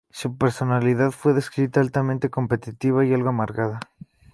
Su personalidad fue descrita "altamente competitiva y algo amargada".